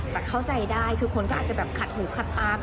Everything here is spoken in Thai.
แต่เข้าใจได้คือคนก็อาจจะแบบขัดหูขัดตา